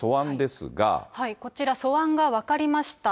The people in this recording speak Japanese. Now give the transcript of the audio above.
こちら、素案が分かりました。